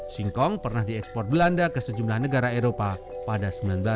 singkong pernah diekspor belanda ke sejumlah negara eropa pada seribu sembilan ratus sembilan puluh